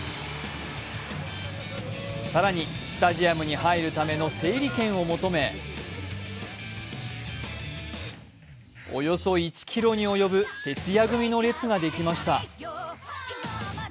更に、スタジアムに入るための整理券を求めおよそ１ｋｍにおよぶ、徹夜組の列ができました。